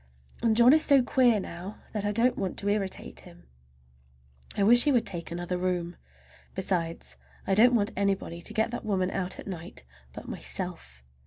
And John is so queer now, that I don't want to irritate him. I wish he would take another room! Besides, I don't want anybody to get that woman out at night but myself.